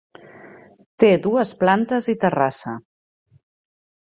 Té dues plantes i terrassa.